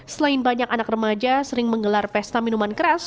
selain banyak anak remaja sering menggelar pesta minuman keras